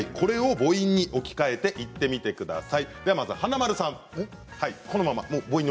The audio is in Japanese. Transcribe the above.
母音に置き換えて言ってみてください。